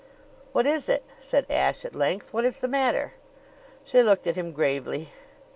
"What is it?" said Ashe at length. "What is the matter?" She looked at him gravely.